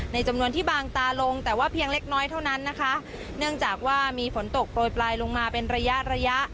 จำนวนที่บางตาลงแต่ว่าเพียงเล็กน้อยเท่านั้นนะคะเนื่องจากว่ามีฝนตกโปรยปลายลงมาเป็นระยะระยะ